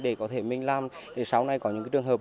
để có thể mình làm để sau này có những trường hợp